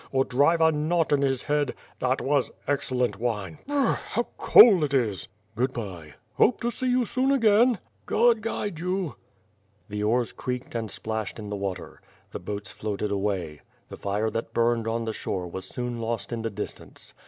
Or drive a knot in his head! That was an excellent wine. Brrl how cold it is!" WITB PIRE AtJD SWORD. 109 ^'Good bye/' "Hope to see you soon again/* "God guide you!" The oars creaked and splashed in the water. The boats floated away. The fire that burned on the shore was soon lost in the distance.